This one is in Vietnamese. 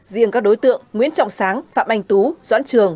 riêng các đối tượng nguyễn trọng sáng phạm anh tú doãn trường